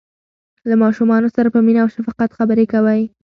له ماشومانو سره په مینه او شفقت خبرې کوئ.